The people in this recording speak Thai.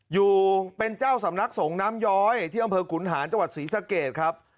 อยู่เป็นเจ้าสำนักสงฆ์น้ำย้อยที่อำเภอขุนหานจังหวัดศรีสะเกดครับ